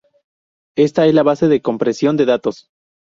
Esta es la base de la compresión de datos.